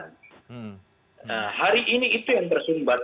nah hari ini itu yang tersumbat